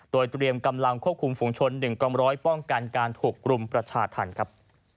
โดยเตรียมกำลังควบคุมฝุงชน๑กองร้อยป้องกันการถูกรุมประชาธรรมครับ